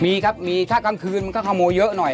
มีครับมีถ้ากลางคืนมันก็ขโมยเยอะหน่อย